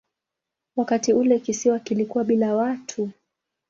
Wakati ule kisiwa kilikuwa bila watu.